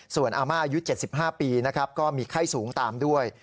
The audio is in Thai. ส่วนอาม่าอายุ๗๕ปีนะครับก็มีไข้สูงตามด้วย